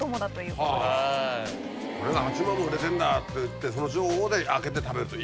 これが８万も売れてんだってその情報で開けて食べるといいね。